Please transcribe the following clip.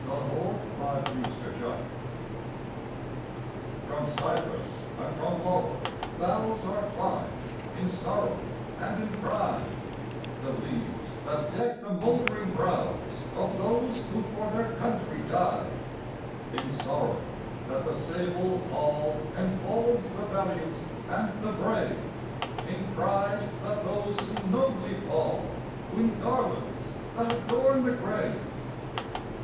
By George Pope Morris From Cypress and from laurel boughs Are twined, in sorrow and in pride, The leaves that deck the mouldering brows Of those who for their country died: In sorrow, that the sable pall Enfolds the valiant and the brave; In pride that those who nobly fall Win garlands that adorn the grave.